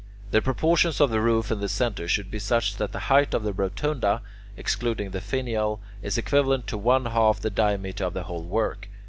The proportions of the roof in the centre should be such that the height of the rotunda, excluding the finial, is equivalent to one half the diameter of the whole work.